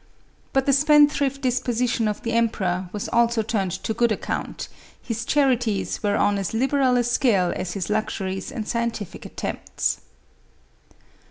But the spendthrift dis position of the emperor was also turned to good ac count; his charities were on as liberal a scale as his luxuries and scientific attempts.